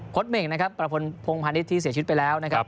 เหม่งนะครับประพลพงพาณิชย์ที่เสียชีวิตไปแล้วนะครับ